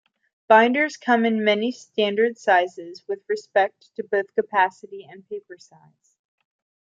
Binders come in many standard sizes with respect to both capacity and paper size.